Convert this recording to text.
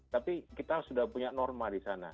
tapi kita sudah punya norma di sana